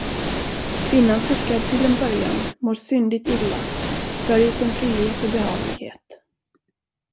Kvinnan suckar till en början, mår syndigt illa, sörjer sin frihet och behaglighet.